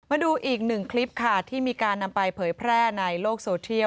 มาดูอีกหนึ่งคลิปค่ะที่มีการนำไปเผยแพร่ในโลกโซเทียล